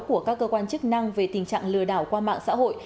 của các cơ quan chức năng về tình trạng lừa đảo qua mạng xã hội